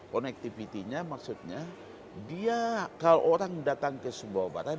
connectivity nya maksudnya dia kalau orang datang ke sumbawa barat